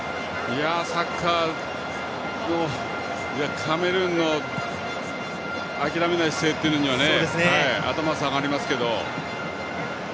カメルーンの諦めない姿勢というのには頭が下がりますけど。